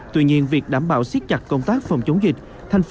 tuy nhiên việc đảm bảo siết chặt công tác phòng chống dịch